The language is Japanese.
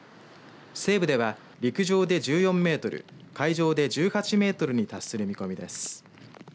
西部では、陸上で１４メートル海上で１８メートルに達する見込みです。